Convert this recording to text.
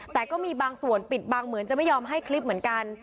แต่ก็มีบางส่วนปิดบังเหมือนจะไม่ยอมให้คลิปเหมือนกัน